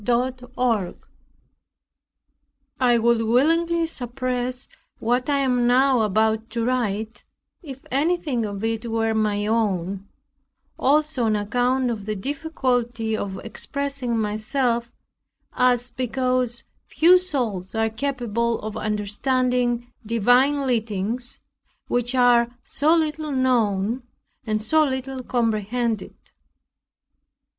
CHAPTER 4 I would willingly suppress what I am now about to write if anything of it were my own, also on account of the difficulty of expressing myself as because few souls are capable of understanding divine leadings which are so little known, and so little comprehended.